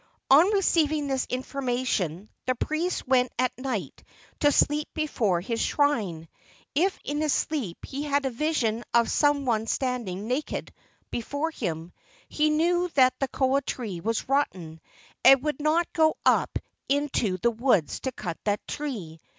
On receiving this information the priest went at night to sleep before his shrine. If in his sleep he had a vision of some one standing naked before him, he knew that the koa tree was rotten, and would not go up into the woods to cut that tree.